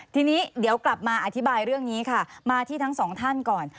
ทีนี้เดี๋ยวกลับมาอธิบายเรื่องนี้ค่ะมาที่ทั้งสองท่านก่อน